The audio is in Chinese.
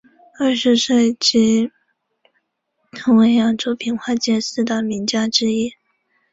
二十岁时即成为扬州评话界四大名家之一。